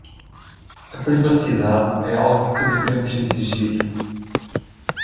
A privacidade é algo que devemos exigir.